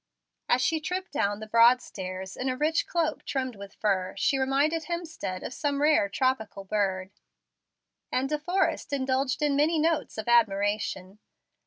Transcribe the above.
As she tripped down the broad stairs in a rich cloak trimmed with fur, she reminded Hemstead of some rare tropical bird, and De Forrest indulged in many notes of admiration.